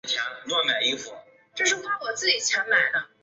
高松车站的铁路车站。